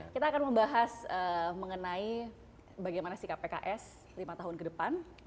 kita akan membahas mengenai bagaimana sikap pks lima tahun ke depan